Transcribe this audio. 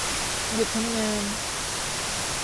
หยุดทำงาน